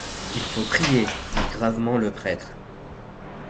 , Il faut prier, dit gravement le prêtre.